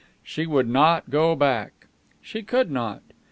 She would not go back. She could not.